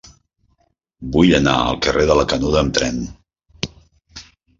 Vull anar al carrer de la Canuda amb tren.